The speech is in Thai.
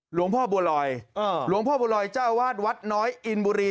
หลวงพ่อบัวลอยหลวงพ่อบัวลอยเจ้าวาดวัดน้อยอินบุรี